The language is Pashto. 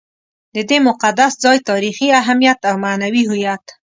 د دې مقدس ځای تاریخي اهمیت او معنوي هویت.